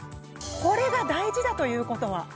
これが大事だということは。